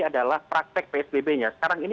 adalah praktek psbb nya sekarang ini